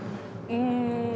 うん。